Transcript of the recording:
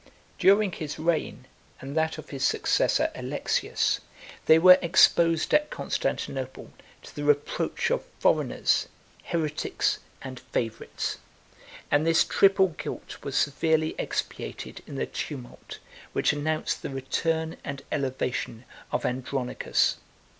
16 During his reign, and that of his successor Alexius, they were exposed at Constantinople to the reproach of foreigners, heretics, and favorites; and this triple guilt was severely expiated in the tumult, which announced the return and elevation of Andronicus.